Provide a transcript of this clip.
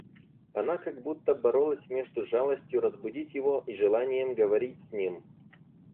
Она как будто боролась между жалостью разбудить его и желанием говорить с ним.